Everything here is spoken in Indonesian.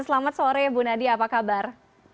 selamat sore bu nadia apa kabar